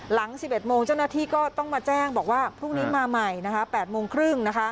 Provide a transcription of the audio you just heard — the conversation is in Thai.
หลัง๑๑โมงเจ้าหน้าที่ก็ต้องมาแจ้งบอกว่าพรุ่งนี้มาใหม่๘โมงครึ่ง